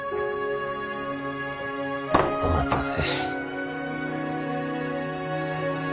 お待たせ